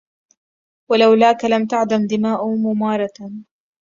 ولولاك لم تعدم دماء ممارة